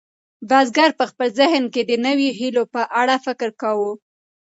بزګر په خپل ذهن کې د نویو هیلو په اړه فکر کاوه.